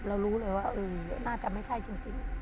รู้เลยว่าน่าจะไม่ใช่จริง